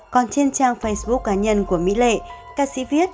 còn trên trang facebook cá nhân của mỹ lệ ca sĩ viết